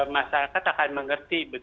masyarakat akan mengerti